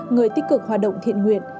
người tích cực hoạt động thiện nguyện